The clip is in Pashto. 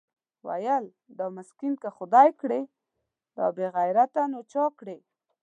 ويل دا مسکين که خداى کړې دا بېغيرته نو چا کړې؟